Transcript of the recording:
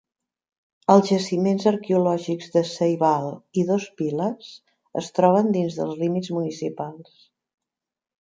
Els jaciments arqueològics de Ceibal i Dos Pilas es troben dins dels límits municipals.